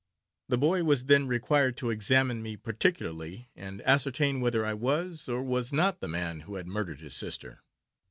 The boy was then required to examine me particularly, and ascertain whether I was, or was not, the man who had murdered his sister.